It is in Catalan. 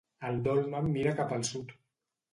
El dolmen mira cap al sud.